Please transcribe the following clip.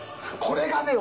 これがね